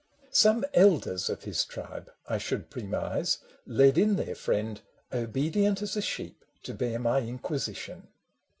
AN EPISTLE i 9 r Some elders of his tribe, I should premise, Led in their friend, obedient as a sheep, To bear my inquisition.